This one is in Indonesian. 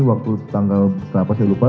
waktu tanggal kenapa saya lupa